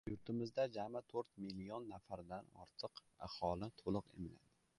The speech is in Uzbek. Yurtimizda jami to'rt million nafardan ortiq aholi to‘liq emlandi